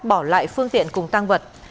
bỏ lại phương tiện cùng tăng vật